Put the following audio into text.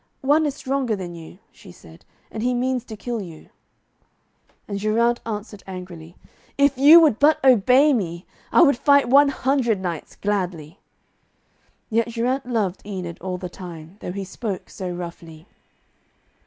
'One is stronger than you,' she said, 'and he means to kill you.' And Geraint answered angrily, 'If you would but obey me, I would fight one hundred knights gladly.' Yet Geraint loved Enid all the time, though he spoke so roughly.